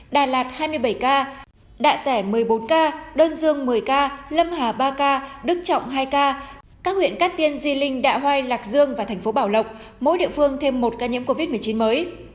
đà lạt hai mươi bảy ca đạ tẻ một mươi bốn ca đơn dương một mươi ca lâm hà ba ca đức trọng hai ca các huyện cát tiên di linh đạ hoai lạc dương và thành phố bảo lộc mỗi địa phương thêm một ca nhiễm covid một mươi chín mới